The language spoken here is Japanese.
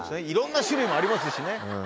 いろんな種類もありますしね。